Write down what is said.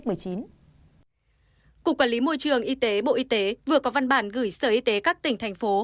cục quản lý môi trường y tế bộ y tế vừa có văn bản gửi sở y tế các tỉnh thành phố